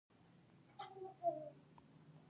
ليونی يار پسې شيشې خوړلي دينه